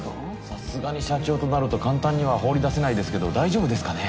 さすがに社長となると簡単には放り出せないですけど大丈夫ですかね？